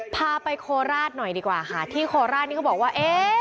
พาไปโคราชหน่อยดีกว่าค่ะที่โคราชนี่เขาบอกว่าเอ๊ะ